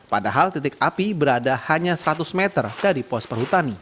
padahal titik api berada hanya seratus meter dari pos perhutani